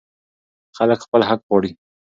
خلک خپل حق غواړي.